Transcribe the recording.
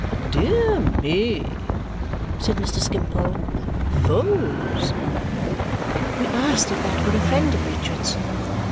"Dear me!" said Mr. Skimpole. "Vholes!" We asked if that were a friend of Richard's.